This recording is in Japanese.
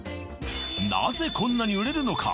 なぜこんなに売れるのか！？